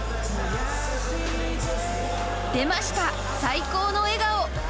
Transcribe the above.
出ました、最高の笑顔。